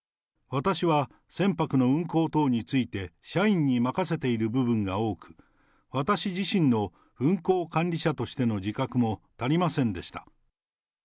私は船舶の運航等について社員に任せている部分が多く、私自身の運航管理者としての自覚も足りませんでした。